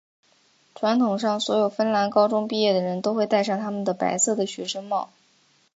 传统上所有芬兰高中毕业的人都会带上他们的白色的学生帽。